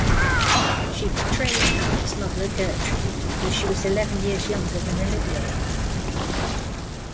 She portrayed Hamlet's mother, Gertrude, though she was eleven years younger than Olivier.